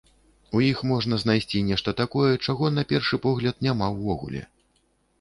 У іх можна знайсці нешта такое, чаго, на першы погляд, няма ўвогуле.